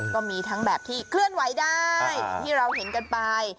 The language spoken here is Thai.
ก็มีทั้งแบบที่เคลื่อนไหวได้ที่เราเห็นกันไป